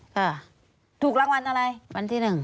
ถูกรางวัลอะไร